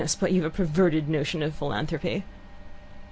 but you've a perverted notion of philanthropy.